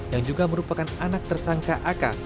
yang juga merupakan anak tersangka ak